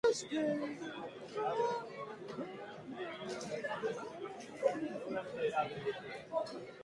中村係長はただちに、このことを警視庁に報告し、東京全都の警察署、派出所にインド人逮捕の手配をしましたが、一日たち二日たっても、